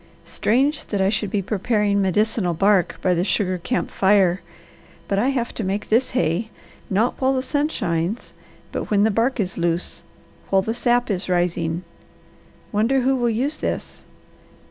Strange that I should be preparing medicinal bark by the sugar camp fire, but I have to make this hay, not while the sun shines, but when the bark is loose, while the sap is rising. Wonder who will use this.